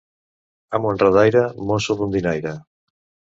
Amo enredaire, mosso rondinaire.